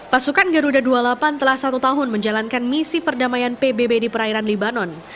pasukan garuda dua puluh delapan telah satu tahun menjalankan misi perdamaian pbb di perairan libanon